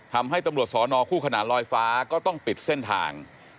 ทำให้ตำรวจสอนอคู่ขนานลอยฟ้าก็ต้องปิดเส้นทาง